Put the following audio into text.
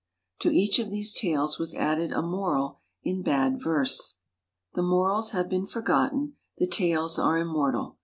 To each of these tales was added a moral in bad verse. The morals have been forgotten, the tales are immortal.